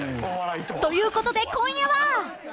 ［ということで今夜は］